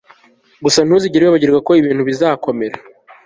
Gusa ntuzigere wibagirwa ko ibintu bizakomera